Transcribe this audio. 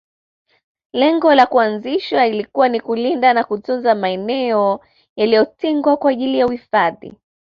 lengo la kuanzishwa ilikuwa ni kulinda na kutunza maeneo yaliotengwa kwa ajili ya uhifadhi